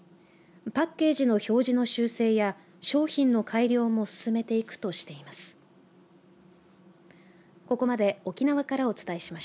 パッケージの表示の修正や商品の改良も進めていくとしています。